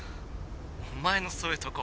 お前のそういうとこ